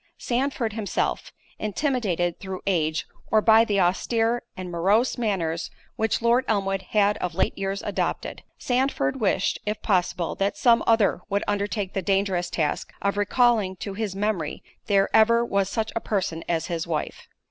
Sandford himself, intimidated through age, or by the austere, and morose manners which Lord Elmwood had of late years adopted; Sandford wished, if possible, that some other would undertake the dangerous task of recalling to his memory there ever was such a person as his wife.